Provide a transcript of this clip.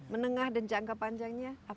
menengah dan jangka panjangnya